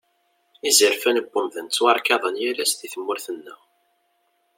Izerfan n umdan ttwarkaḍen yal ass deg tmurt-nneɣ.